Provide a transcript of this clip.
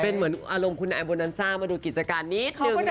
เป็นเหมือนอารมณ์คุณแอมโบนันซ่ามาดูกิจการนิดนึงนะคะ